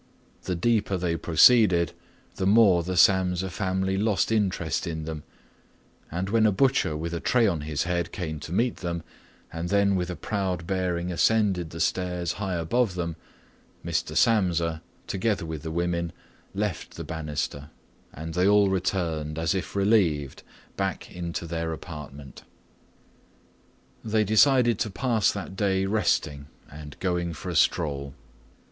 The deeper they proceeded, the more the Samsa family lost interest in them, and when a butcher with a tray on his head come to meet them and then with a proud bearing ascended the stairs high above them, Mr. Samsa., together with the women, left the banister, and they all returned, as if relieved, back into their apartment. They decided to pass that day resting and going for a stroll.